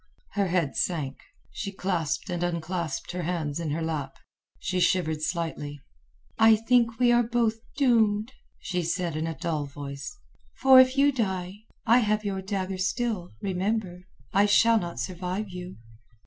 Her head sank. She clasped and unclasped the hands in her lap. She shivered slightly. "I think we are both doomed," she said in a dull voice. "For if you die, I have your dagger still, remember. I shall not survive you."